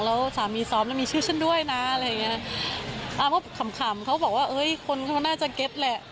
แล้วสามีซ้อมแล้วมีชื่อฉันด้วยนะอะไรอย่างเงี้ยอ่าเพราะขำขำเขาบอกว่าเอ้ยคนเขาน่าจะเก็ตแหละ